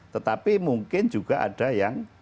tetapi mungkin juga ada yang